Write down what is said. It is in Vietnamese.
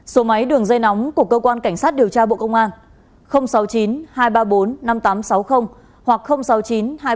số máy đường dây nóng của cơ quan cảnh sát điều tra bộ công an sáu mươi chín hai trăm ba mươi bốn năm nghìn tám trăm sáu mươi hoặc sáu mươi chín hai trăm ba mươi hai một nghìn sáu trăm